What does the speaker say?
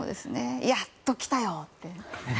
やっと来たよっていう。